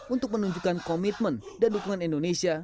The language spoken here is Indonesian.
untuk menunjukkan komitmen dan dukungan indonesia